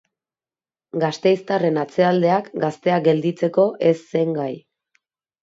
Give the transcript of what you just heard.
Gasteiztarren atzealdeak gaztea gelditzeko ez zen gai.